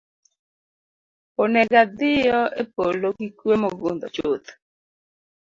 Oneg’ adhiyo e polo gi kuwe mogundho chuth.